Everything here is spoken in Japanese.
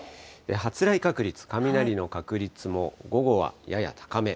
発雷確率、雷の確率も午後はやや高め。